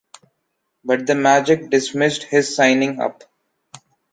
But the Magic dismissed his signing up.